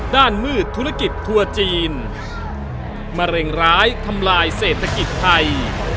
มืดธุรกิจทัวร์จีนมะเร็งร้ายทำลายเศรษฐกิจไทย